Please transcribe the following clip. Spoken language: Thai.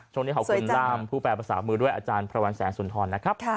ช่วงนี้ขอบคุณล่ามผู้แปลภาษามือด้วยอาจารย์พระวันแสงสุนทรนะครับ